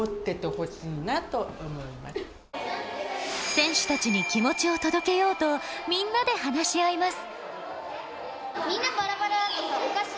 選手たちに気持ちを届けようとみんなで話し合います。